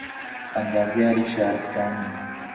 ئەندازیاریی شارستانی